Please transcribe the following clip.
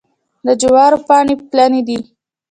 د جوارو پاڼې پلنې دي.